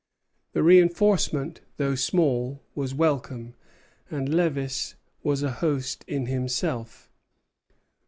The reinforcement, though small, was welcome, and Lévis was a host in himself.